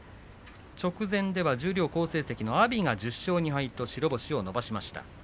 直前では十両を好成績の阿炎が１０勝２敗と白星を伸ばしました。